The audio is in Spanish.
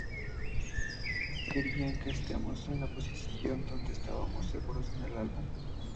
Querían que estemos en la posición donde estábamos seguros con el álbum".